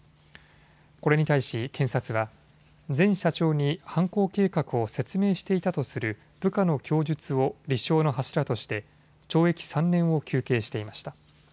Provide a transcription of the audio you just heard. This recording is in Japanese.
これに対し検察は前社長に犯行計画を説明していたとする部下の供述を立証の柱として懲役３年を求刑していました。